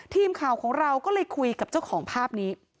ทีมข่าวของเราก็เลยคุยกับเจ้าของภาพนี้